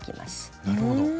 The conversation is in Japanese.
なるほど。